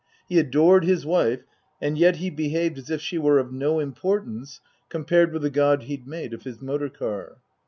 He adored his wife and yet he behaved as if she were of no importance compared with the god he'd made of his motor car.